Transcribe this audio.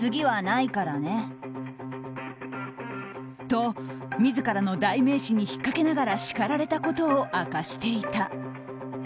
と、自らの代名詞に引っかけながら叱られたことを明かしていた。